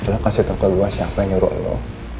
lo kasih tau ke gue siapa yang nyuruh lo